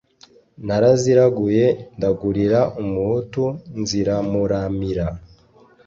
naraziraguye ndagurira umuhutu nziramuramira